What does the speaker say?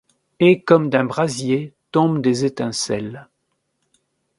Et, comme d’un brasier tombent des étincelles